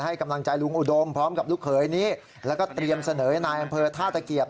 ให้กำลังใจลุงอุดมพร้อมกับลูกเขยนี้แล้วก็เตรียมเสนอให้นายอำเภอท่าตะเกียบ